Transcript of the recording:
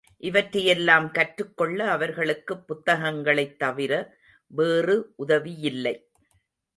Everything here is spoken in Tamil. இவற்றையெல்லாம் கற்றுக்கொள்ள அவர்களுக்குப் புத்தகங்களைத் தவிர வேறு உதவியில்லை.